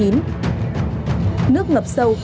nước ngập sâu